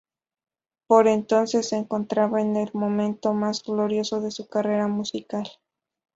Por entonces se encontraba en el momento más glorioso de su carrera musical.